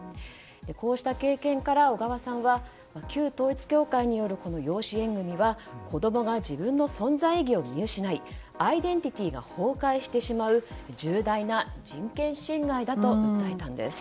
こうした経験から、小川さんは旧統一教会による養子縁組は子供が自分の存在意義を見失いアイデンティティーが崩壊してしまう重大な人権侵害だと訴えたんです。